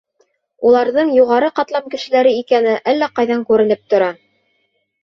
Уларҙың юғары ҡатлам кешеләре икәне әллә ҡайҙан күренеп тора.